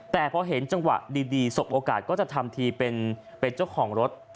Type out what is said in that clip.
แต่พอเห็นจังหวะดีสบโอกาสก็จะทำทีเป็นเจ้าของรถ